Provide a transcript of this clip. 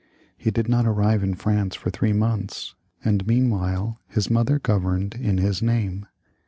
He did not arrive in France for three months, and meanwhile his mother governed in his name.